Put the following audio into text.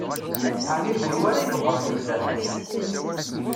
Ɛni d kenwi ara ydebbṛen fell-aɣ?